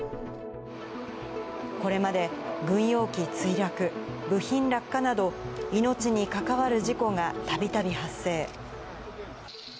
これまで軍用機墜落、部品落下など、命に関わる事故がたびたび発生。